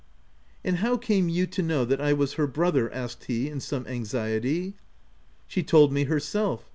" And how came you to know that I was her brother?" asked he in some anxietv. " She told me herself.